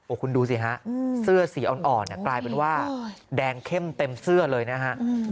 คุณดูสิฮะเสื้อสีอ่อนกลายเป็นว่าแดงเข้มเต็มเสื้อเลยนะฮะ